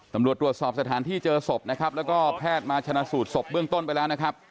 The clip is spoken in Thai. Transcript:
ตำรวจตรวจสอบสถานที่เจอศพนะครับแล้วก็แพทย์มาชนะสูตรศพเบื้องต้นไปแล้วนะครับ